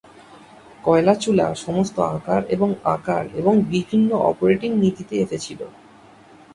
কয়লা চুলা সমস্ত আকার এবং আকার এবং বিভিন্ন অপারেটিং নীতিতে এসেছিল।